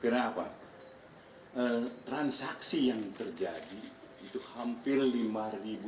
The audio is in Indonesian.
kenapa transaksi yang terjadi itu hampir lima ribu